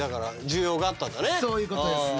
そういうことですね。